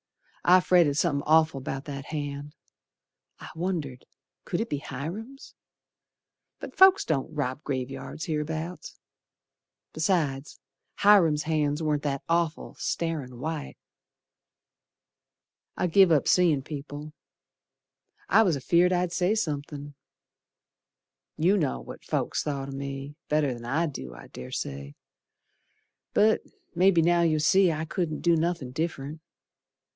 I fretted somethin' awful 'bout that hand I wondered, could it be Hiram's, But folks don't rob graveyards hereabouts. Besides, Hiram's hands warn't that awful, starin' white. I give up seein' people, I was afeared I'd say somethin'. You know what folks thought o' me Better'n I do, I dessay, But mebbe now you'll see I couldn't do nothin' diff'rent.